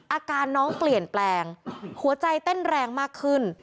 อาการน้องเปลี่ยนแปลงหัวใจเต้นแรงมากขึ้น